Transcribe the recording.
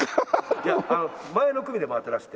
いや前の組で回ってらして。